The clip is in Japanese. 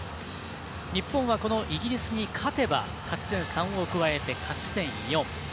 日本はこのイギリスに勝てば、勝ち点３を加えて勝ち点４。